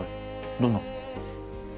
どんな子？